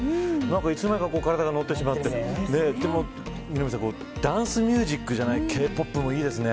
いつの間にか体がのってしまっているダンスライミュージックじゃないＫ‐ＰＯＰもいいですね。